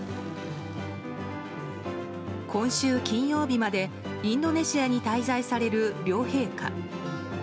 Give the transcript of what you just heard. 今週金曜日までインドネシアに滞在される両陛下。